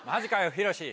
ヒロシ。